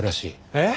えっ？